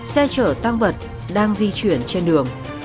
xe chở tăng vật đang di chuyển trên đường